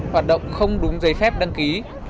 hoạt động không đúng giấy phép đăng ký